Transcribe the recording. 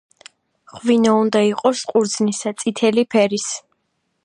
ღვინო უნდა იყოს ყურძნისა, წითელი ფერის.